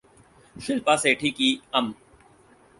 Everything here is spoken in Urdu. شلپا شیٹھی کی ام